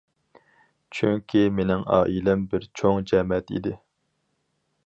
چۈنكى مېنىڭ ئائىلەم بىر چوڭ جەمەت ئىدى.